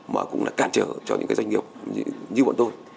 mà cũng là cản trở cho những cái doanh nghiệp như bọn tôi